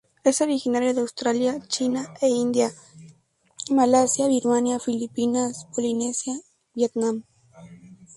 Es originario de Australia, China, E India, Malasia, Birmania, Filipinas, Polinesia, Vietnam.